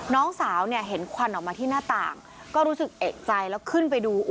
น้องสาวเนี่ยเห็นควันออกมาที่หน้าต่างก็รู้สึกเอกใจแล้วขึ้นไปดู